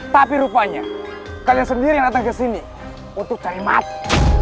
tapi rupanya kalian sendiri yang datang ke sini untuk cari mati